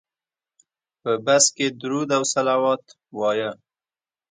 په بس کې درود او صلوات وایه.